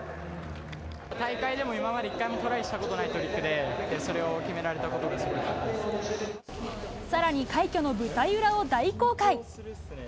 大会でも今まで、一回もトライしたことないトリックで、さらに快挙の舞台裏を大公開。